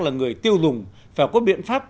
là người tiêu dùng phải có biện pháp